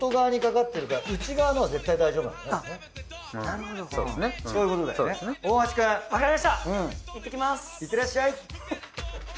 いってらっしゃい。